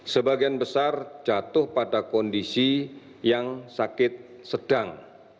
sebagian besar jatuh pada kondisi yang sakit sedang